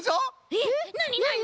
えっなになに？